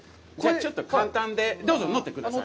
ちょっと簡単にどうぞ乗ってください。